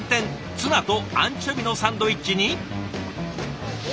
ツナとアンチョビのサンドイッチに。